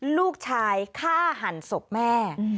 ลูกชายฆ่าหันศพแม่